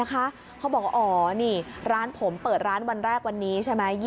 เขาบอกอ๋อนี่ร้านผมเปิดร้านวันแรกวันนี้๒๘